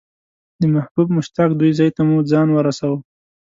د محبوب مشتاق دوی ځای ته مو ځان ورساوه.